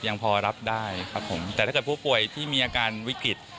ยังพอรับได้ครับผมแต่ถ้าเกิดผู้ป่วยที่มีอาการวิกฤต